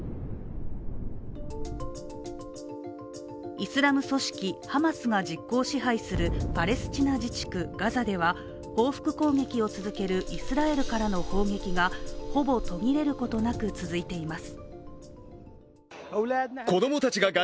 イスラム組織ハマスが実効支配するパレスチナ自治区ガザでは報復攻撃を続けるイスラエルからの砲撃がほぼ途切れることなく続いています。